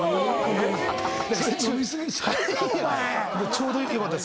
ちょうどよかった。